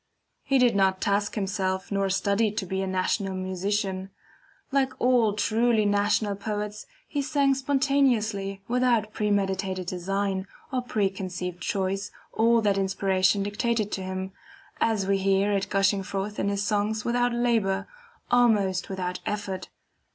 He did not task himself, nor study to be a national musician. Like all truly national poets he sang spontaneously without premeditated design or preconceived choice all that inspiration dictated to him, as we hear it gushing forth in his songs without labor, almost without effort.